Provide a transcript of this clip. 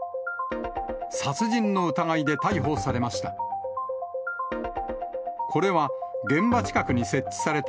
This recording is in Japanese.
殺人の疑いで逮捕されました。